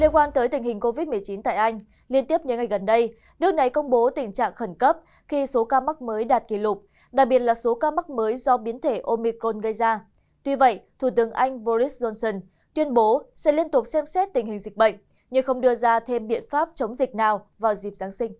các bạn hãy đăng ký kênh để ủng hộ kênh của chúng mình nhé